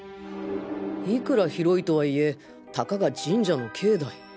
いくら広いとはいえたかが神社の境内。